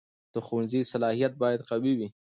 د ښوونځي صلاحیت باید قوي وي.